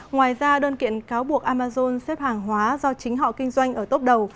ngoài ra đơn kiện cáo buộc amazon xếp hàng hóa do chính họ kinh doanh ở tốt đầu